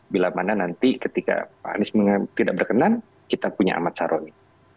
bila mana nanti ketika pak anies tidak berkenan kita punya ahmad saroni